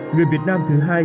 người việt nam thứ hai